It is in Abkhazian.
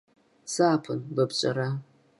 Сааԥын, ба бҿара.